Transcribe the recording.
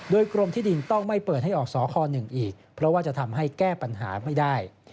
โดยกรมที่ดินต้องไม่เปิดให้ออกสค๑อีกเพราะว่าจะทำให้แก้ปัญหาไม่ได้